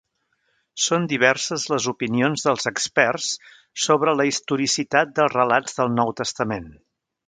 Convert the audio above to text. Són diverses les opinions dels experts sobre la historicitat dels relats del Nou Testament.